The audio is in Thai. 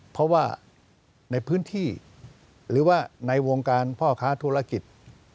เพราะว่าในพื้นที่หรือว่าในวงการพ่อค้าธุรกิจ